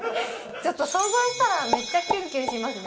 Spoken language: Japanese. ちょっと想像したら、めっちゃきゅんきゅんしますね。